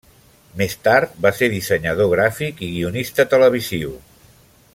Més tard, va ser dissenyador gràfic i guionista televisiu.